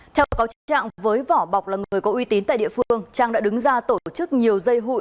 theo cáo trạng với vỏ bọc là người có uy tín tại địa phương trang đã đứng ra tổ chức nhiều dây hụi